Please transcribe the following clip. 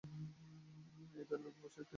ওই দেয়ালের ওপাশে, একটা স্টোরেজ রুম আছে।